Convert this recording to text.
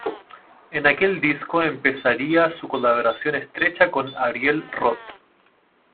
En aquel disco, empezaría su colaboración estrecha con Ariel Rot.